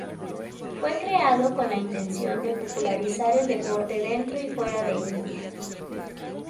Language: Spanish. Fue creado con la intención de popularizar el deporte dentro y fuera de India.